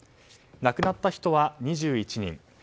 亡くなった人は２１人。